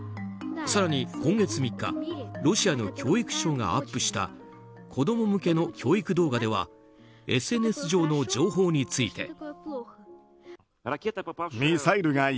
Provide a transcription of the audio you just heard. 更に、今月３日ロシアの教育省がアップした子供向けの教育動画ではＳＮＳ上の情報について。